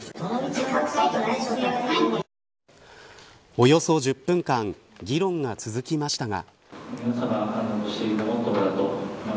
およそ１０分間議論が続きましたが。